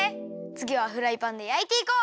つぎはフライパンでやいていこう！